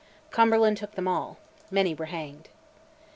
Cumberland took them all, many were hanged.